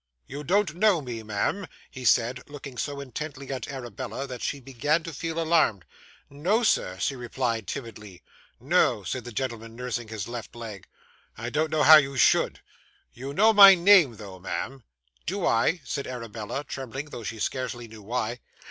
'You don't know me, ma'am?' he said, looking so intently at Arabella that she began to feel alarmed. 'No, sir,' she replied timidly. 'No,' said the gentleman, nursing his left leg; 'I don't know how you should. You know my name, though, ma'am.' 'Do I?' said Arabella, trembling, though she scarcely knew why.